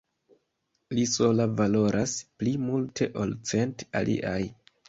Li sola valoras pli multe ol cent aliaj.